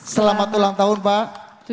selamat ulang tahun pak